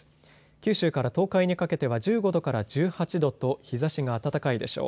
九州から東海にかけては１５度から１８度と日ざしが暖かいでしょう。